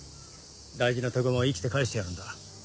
大事な手駒を生きて返してやるんだ。